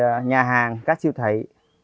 các cửa hàng nhà hàng các siêu thầy